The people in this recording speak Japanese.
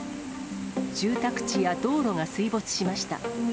住宅地や道路が水没しました。